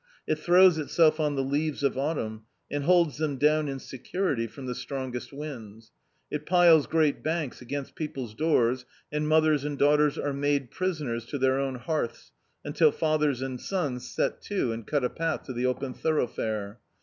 It throws itself on the leaves of Autumn, and holds them down in se curity from the strongest winds. It piles great banl^ agiunst people's doors, and mothers and daug^ ters are made prisoners to their own hearths, until fathers and sons set to and cut a path to the open thorou^fare.